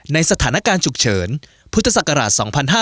ในสถานการณ์ฉุกเฉินพุทธศักราช๒๕๕๙